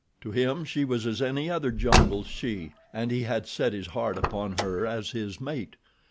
To him she was as any other jungle she, and he had set his heart upon her as his mate.